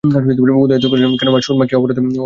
উদয়াদিত্য কহিলেন, কেন মা, সুরমা কী অপরাধ করিয়াছে?